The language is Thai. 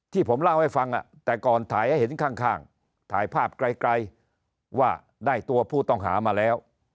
ที่ผมเล่าให้ฟังแต่ก่อนถ่ายให้เห็นข้างถ่ายภาพไกลว่าได้ตัวผู้ต้องหามาแล้ว